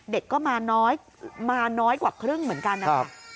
เด็กก็มาน้อยกว่าครึ่งเหมือนกันนะครับ